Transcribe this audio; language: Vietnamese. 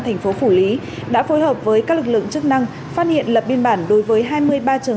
thành phố phủ lý đã phối hợp với các lực lượng chức năng phát hiện lập biên bản đối với hai mươi ba trường